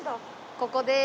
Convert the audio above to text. ここです。